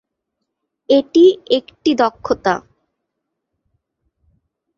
এটি একটি দক্ষতা।